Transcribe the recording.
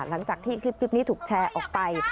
หลังจากที่คลิปนี้ถูกแชร์ออกไป